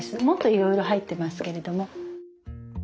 もっといろいろ入ってますけれども。